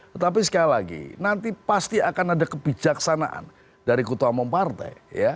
tetapi sekali lagi nanti pasti akan ada kebijaksanaan dari ketua umum partai